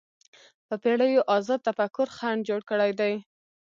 په پېړیو ازاد تفکر خنډ جوړ کړی دی